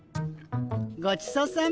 ごちそうさま。